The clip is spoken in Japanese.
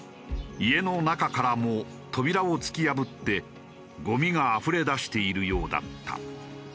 家の中からも扉を突き破ってごみがあふれ出しているようだった。